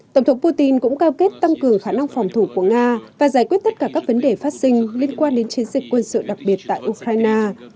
tổng thống putin cũng cam kết tăng cường khả năng phòng thủ của nga và giải quyết tất cả các vấn đề phát sinh liên quan đến chiến dịch quân sự đặc biệt tại ukraine